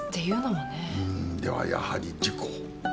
うーんではやはり事故？